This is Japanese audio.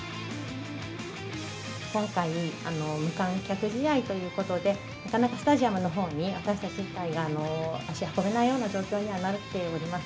今回、無観客試合ということで、なかなかスタジアムのほうに私たち自体が足を運べないような状況にはなっております。